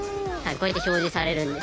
こうやって表示されるんです。